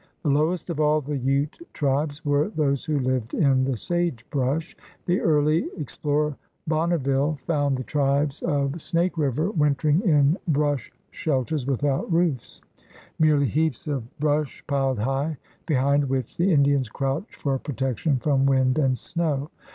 The lowest of all the Ute tribes were those who lived in the sage brush. The early ex plorer, Bonneville, found the tribes of Snake River wintering in brush shelters without roofs — merely heaps of brush piled high, behind which the Indians crouched for protection from wind and snow.